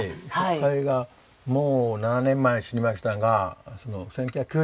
彼がもう７年前死にましたが１９９８年に。